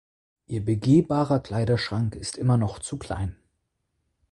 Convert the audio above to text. Ihr begehbarer Kleiderschrank ist immer noch zu klein!